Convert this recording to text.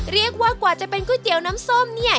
เรียกว่ากว่าจะเป็นก๋วยเตี๋ยวน้ำส้มเนี่ย